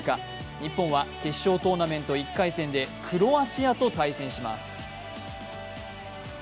日本は決勝トーナメント１回戦でクロアチアと対戦します。